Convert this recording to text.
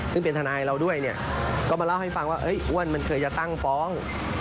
ซึ่งเป็นทนายเราด้วยเนี่ยก็มาเล่าให้ฟังว่าอ้วนมันเคยจะตั้งฟ้อง